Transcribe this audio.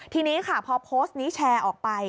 ทีนี้ค่ะพอโพสต์นี้แชร์ออกไป